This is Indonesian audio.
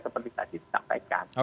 seperti tadi disampaikan